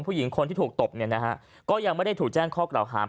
ผู้หญิงคนที่ถูกตบอย่างไม่ได้ถูกแจ้งข้อกล่าวหาร